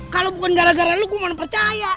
kalau bukan gara gara lu gue mau percaya